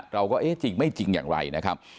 เราก็เอ๊ะจริงไม่จริงอย่างไรนะครับ